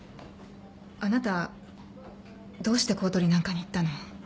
あなたどうして公取なんかに行ったの？